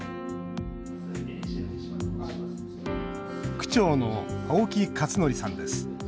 区長の青木克徳さんです。